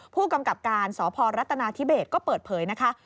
ผู้กำกับการสพรัฐนาธิเบสก็เปิดเผยนะคะ